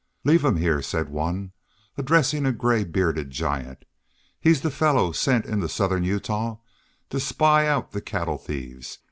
"Leave him here," said one, addressing a gray bearded giant. "He's the fellow sent into southern Utah to spy out the cattle thieves.